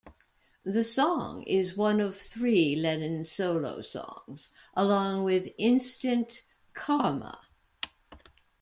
The song is one of three Lennon solo songs, along with Instant Karma!